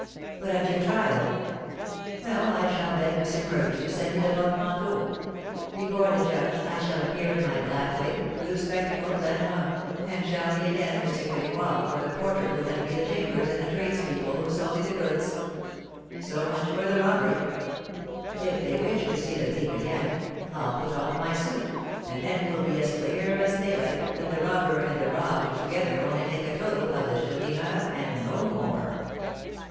"But at your trial?" "Well, I shall beg M. Murphy to send me the portmanteau. Before the judge I shall appear in my black wig, blue spectacles, and hump, and shall be again M. Grégoire for the porter who let me the chambers and the tradespeople who sold me the goods. So much for the robbery. If they wish to see the thief again, I'll put off my suit, and then it will be as clear as daylight that the robber and the robbed together only make a total of the Chourineur and no more.